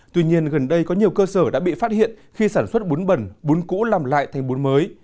tuy nhiên gần đây có nhiều cơ sở đã bị phát hiện khi sản xuất bún bẩn bún cũ làm lại thành bún mới